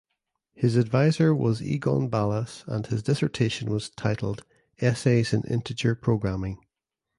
His advisor was Egon Balas and his dissertation was titled "Essays in Integer Programming".